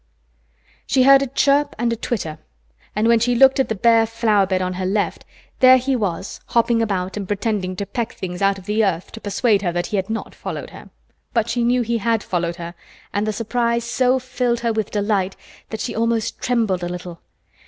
She heard a chirp and a twitter, and when she looked at the bare flower bed at her left side there he was hopping about and pretending to peck things out of the earth to persuade her that he had not followed her. But she knew he had followed her and the surprise so filled her with delight that she almost trembled a little.